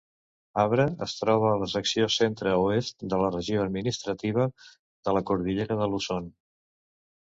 Abra es troba a la secció centre-oest de la Regió Administrativa de la Cordillera de Luzon.